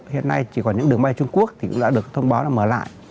hiện nay chỉ còn những đường bay trung quốc thì cũng đã được thông báo là mở lại